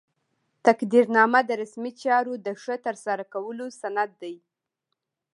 تقدیرنامه د رسمي چارو د ښه ترسره کولو سند دی.